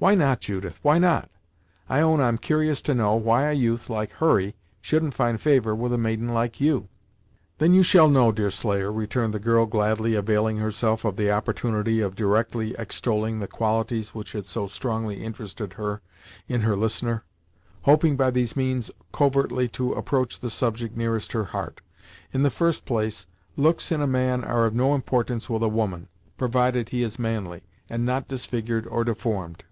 "Why not, Judith, why not? I own I'm cur'ous to know why a youth like Hurry shouldn't find favor with a maiden like you?" "Then you shall know, Deerslayer," returned the girl, gladly availing herself of the opportunity of indirectly extolling the qualities which had so strongly interested her in her listener; hoping by these means covertly to approach the subject nearest her heart. "In the first place, looks in a man are of no importance with a woman, provided he is manly, and not disfigured, or deformed."